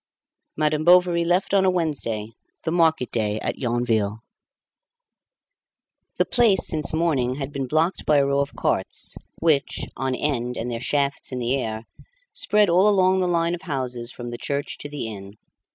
Madame Bovary left on a Wednesday, the market day at Yonville. The Place since morning had been blocked by a row of carts, which, on end and their shafts in the air, spread all along the line of houses from the church to the inn.